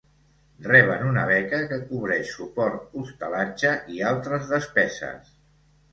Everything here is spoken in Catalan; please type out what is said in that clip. Reben una beca que cobreix suport, hostalatge i altres despeses.